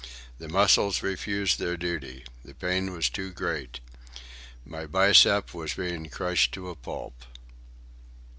The muscles refused their duty. The pain was too great. My biceps was being crushed to a pulp.